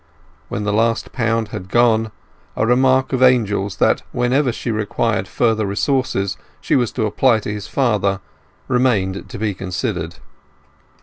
When the last pound had gone, a remark of Angel's that whenever she required further resources she was to apply to his father, remained to be considered.